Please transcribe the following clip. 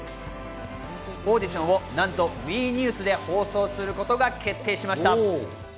オーディションをなんとＷＥニュースで放送することが決定しました。